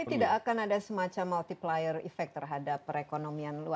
tapi tidak akan ada semacam multiplier effect terhadap perekonomian luar